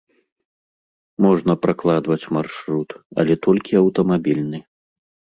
Можна пракладваць маршрут, але толькі аўтамабільны.